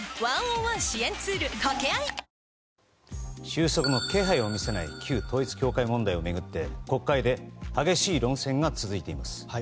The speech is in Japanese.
収束の気配を見せない旧統一教会問題を巡って国会で激しい論戦が続いています。